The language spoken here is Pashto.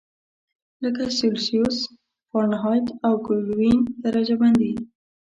لکه سلسیوس، فارنهایت او کلوین درجه بندي.